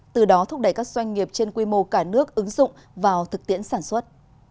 từ đó thúc đẩy các doanh nghiệp trên quy mô cả nước ứng dụng vào thực tiễn sản xuất